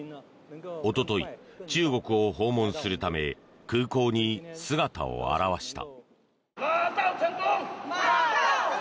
おととい、中国を訪問するため空港に姿を現した。